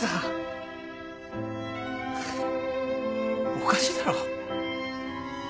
おかしいだろ。